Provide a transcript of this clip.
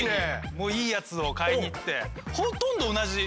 もういいやつを買いに行って。